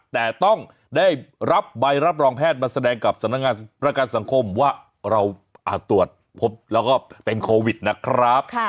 แต่ต้องได้รับใบรับรองแพทย์มาแสดงกับสำนักงานประกันสังคมว่าเราตรวจพบแล้วก็เป็นโควิดนะครับ